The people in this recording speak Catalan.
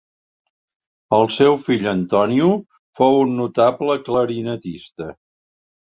El seu fill Antonio, fou un notable clarinetista.